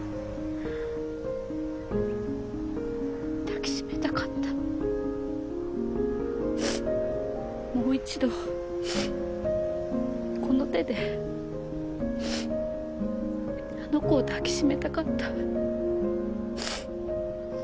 抱きしめたかったもう一度この手であの子を抱きしめたかった。